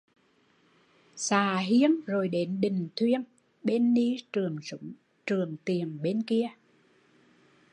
Xạ Hiên rồi đến Đình Thuyên, Bên Ni Trường Súng, Trường Tiền bên kia